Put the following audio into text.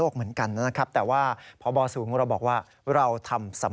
คุณคิดว่าคุณคิดว่าค